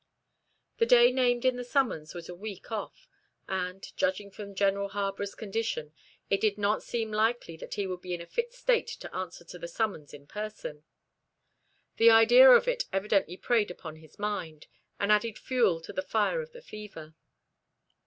The day named in the summons was a week off; and, judging from General Harborough's condition, it did not seem likely that he would be in a fit state to answer to the summons in person. The idea of it evidently preyed upon his mind, and added fuel to the fire of the fever.